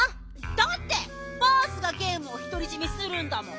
だってバースがゲームをひとりじめするんだもん。